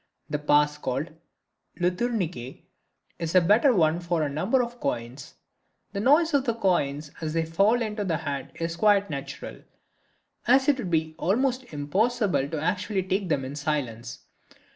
The pass called "Le Tourniquet" is a better one for a number of coins. The noise of the coins as they fall into the hand is quite natural, as it would be almost impossible to actually take them in silence.